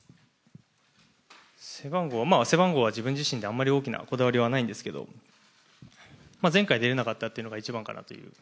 背番号は自分自身であまり大きなこだわりはないんですけど前回出れなかったというのが一番かなという。